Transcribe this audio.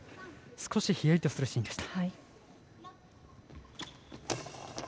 少しひやりとするシーンでした。